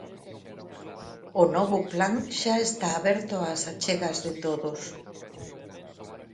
O novo plan xa está aberto ás achegas de todos.